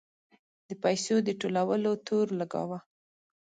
د پیسو د ټولولو تور لګاوه.